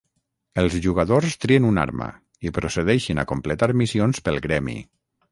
Els jugadors trien una arma i procedeixen a completar missions pel gremi.